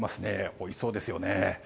おいしそうですね。